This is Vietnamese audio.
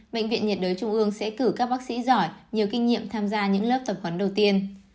bệnh viện nhiệt đới trung ương sẽ cử các bác sĩ giỏi nhiều kinh nghiệm tham gia những lớp tập huấn đầu tiên